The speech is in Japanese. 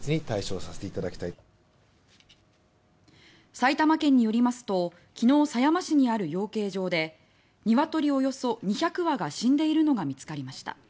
埼玉県によりますと昨日、狭山市にある養鶏場でニワトリおよそ２００羽が死んでいるのが見つかりました。